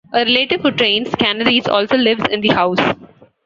A relative who trains canaries also lives in the house.